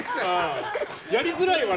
やりづらいわ！